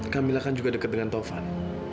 kamila kan juga deket dengan taufan